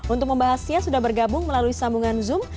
untuk membahasnya sudah bergabung melalui sambungan zoom